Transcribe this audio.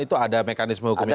itu ada mekanisme hukumnya